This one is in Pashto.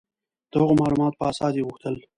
د هغو معلوماتو په اساس یې غوښتل.